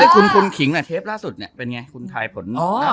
คุณคุณขิงเนี่ยเทปล่าสุดเป็นไงคุณถ่ายผลนี้